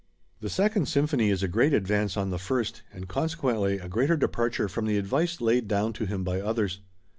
The Second Symphony is a great advance on the first, and consequently a greater departure from the advice laid down to him by others.